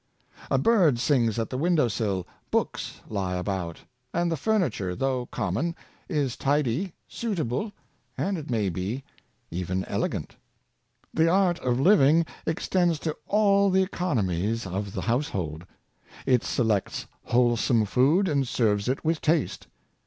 A bird sings at the window sill, books lie about, and the furniture, though common, is tidy, suitable, and, it may be, even elegant. The art of living extends to all the economies of the 14 Order in the Hojne. household. It selects wholesome food, and serves it with taste.